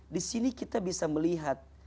di sini kita bisa melihat